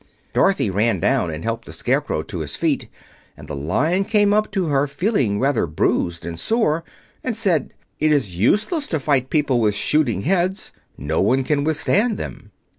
Dorothy ran down and helped the Scarecrow to his feet, and the Lion came up to her, feeling rather bruised and sore, and said, "It is useless to fight people with shooting heads; no one can withstand them."